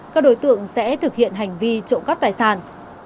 các đối tượng sẽ thực hiện hành vi trộm cắp tài sản